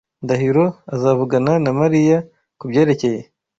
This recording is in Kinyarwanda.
Ndahiro azavugana na Mariya kubyerekeye.